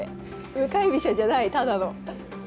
向かい飛車じゃないただの。